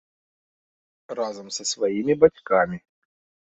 Разам са сваімі бацькамі.